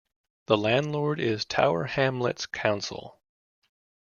The landlord is Tower Hamlets Council.